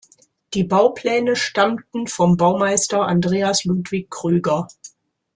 Die Baupläne stammten vom Baumeister Andreas Ludwig Krüger.